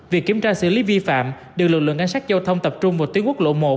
việc kiểm tra xử lý vi phạm được lực lượng an sát giao thông tập trung vào tuyến quốc lộ một